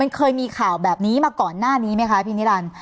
เคยมีข่าวแบบนี้มาก่อนหน้านี้ไหมคะพี่นิรันดิ์